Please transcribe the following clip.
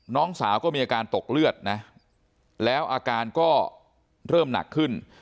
น้องสาวก็มีอาการตกเลือดนะแล้วอาการก็เริ่มหนักขึ้น